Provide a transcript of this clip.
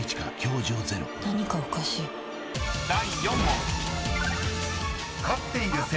［第４問］